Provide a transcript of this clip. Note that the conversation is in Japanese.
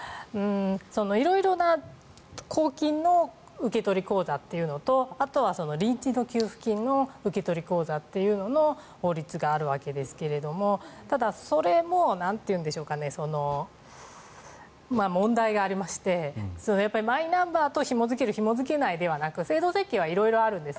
色々な公金の受取口座というのとあとは臨時の給付金の受取口座というのの法律があるわけですがただ、それも問題がありましてマイナンバーとひも付けるひも付けないではなく制度設計は色々あるんです。